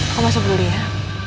kok masih buri ya